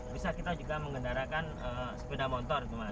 bisa kita juga mengendarakan sepeda motor gimana